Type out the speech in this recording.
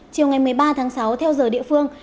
chiều ngày một mươi ba tháng sáu theo giờ địa phương